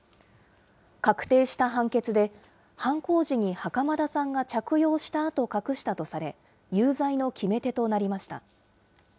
確定した判決で、犯行時に袴田さんが着用したあと隠したとされ、有罪の決め手となりました。